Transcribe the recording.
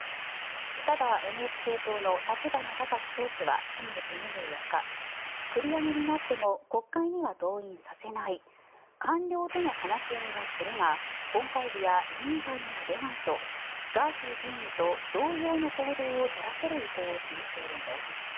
ただ、ＮＨＫ党の立花孝志党首は先月２４日繰り上げになっても国会には登院させない官僚との話し合いはするが本会議や委員会には出ないとガーシー議員と同様の行動を取らせる意向を示しているんです。